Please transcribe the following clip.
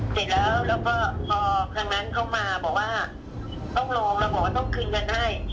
เสร็จแล้วแล้วพอทางนั้นเขามาบอกว่าต้องลงแล้วบอกว่าต้องคืนกันให้